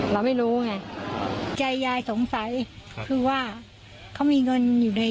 เราไม่รู้ไงใจยายสงสัยคือว่าเขามีเงินอยู่ใน